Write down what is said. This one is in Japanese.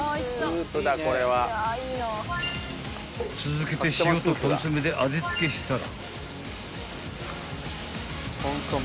［続けて塩とコンソメで味付けしたら］